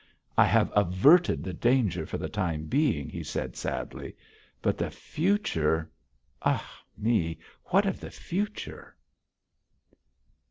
'I have averted the danger for the time being,' he said sadly, 'but the future ah, me! what of the future?'